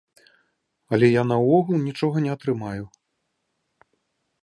Але я наогул нічога не атрымаю.